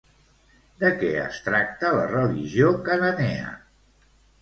De què es tracta la religió cananea?